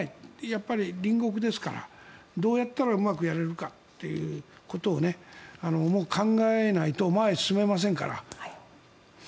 やっぱり隣国ですからどうやったらうまくやれるかということをもう考えないと前へ進めませんから。